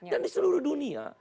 dan di seluruh dunia